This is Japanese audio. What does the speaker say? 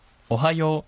おはよう。